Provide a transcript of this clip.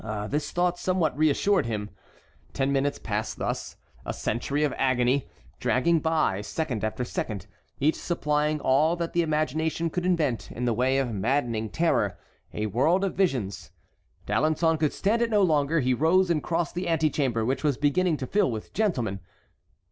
This thought somewhat reassured him. Ten minutes passed thus, a century of agony, dragging by second after second, each supplying all that the imagination could invent in the way of maddening terror, a world of visions. D'Alençon could stand it no longer. He rose and crossed the antechamber, which was beginning to fill with gentlemen.